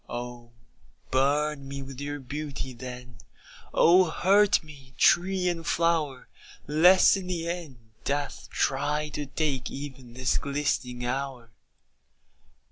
Oh burn me with your beauty, then, Oh hurt me, tree and flower, Lest in the end death try to take Even this glistening hour.